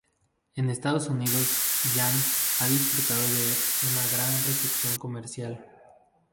En Estados Unidos, "Jan" ha disfrutado de una gran recepción comercial.